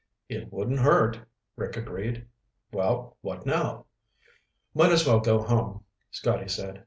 "It wouldn't hurt," Rick agreed. "Well, what now?" "Might as well go home," Scotty said.